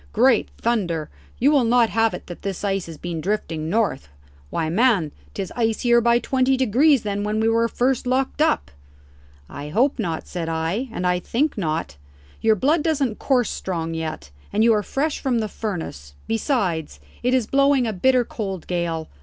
Great thunder, you will not have it that this ice has been drifting north? Why, man, 'tis icier by twenty degrees than when we were first locked up." "I hope not," said I; "and I think not. Your blood doesn't course strong yet, and you are fresh from the furnace. Besides, it is blowing a bitter cold gale.